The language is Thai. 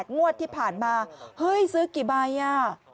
งวดที่ผ่านมาเฮ้ยซื้อกี่ใบอ่ะ